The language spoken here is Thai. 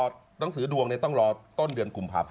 หนังสือดวงต้องรอต้นเดือนกุมภาพัน